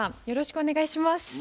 よろしくお願いします。